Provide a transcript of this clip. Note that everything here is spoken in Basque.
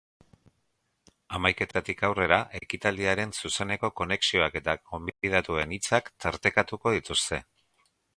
Hamaiketatik aurrera ekitaldiaren zuzeneko konexioak eta gonbidatuen hitzak tartekatuko dituzte.